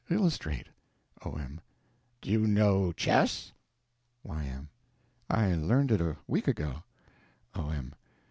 Illustrate. O.M. Do you know chess? Y.M. I learned it a week ago. O.M.